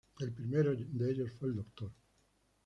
El primero de ellos fue el Dr.